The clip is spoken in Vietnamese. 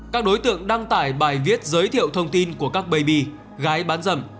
các đối tượng đăng tải bài viết giới thiệu thông tin của các baby gái bán dâm